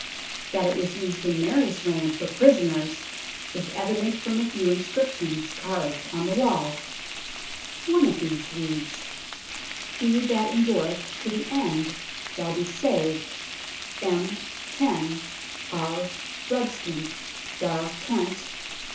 That it was used in Mary's reign for prisoners is evident from a few inscriptions carved on the wall. One of these THE NORMAN KEEP 43 reads : "He that endureth to the ende shall be saved. M. 10. R. Rudston. Dar. Kent.